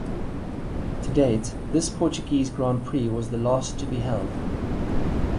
To date, this Portuguese Grand Prix was the last to be held.